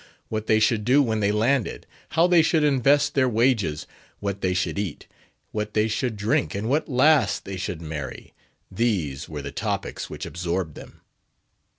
What they should do when they landed; how they should invest their wages; what they should eat; what they should drink; and what lass they should marry—these were the topics which absorbed them.